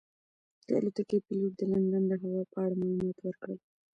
د الوتکې پېلوټ د لندن د هوا په اړه معلومات ورکړل.